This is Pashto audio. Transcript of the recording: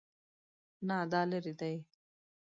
نه، دا لیرې دی